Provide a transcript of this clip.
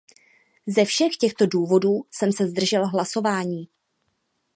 Ze všech těchto důvodů jsem se zdržel hlasování.